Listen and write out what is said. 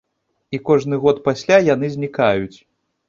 І кожны год пасля яны знікаюць.